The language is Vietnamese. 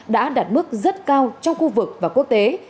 đã đạt mức rất cao trong khu vực và quốc tế